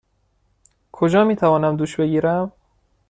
کجا می توانم دوش بگیرم؟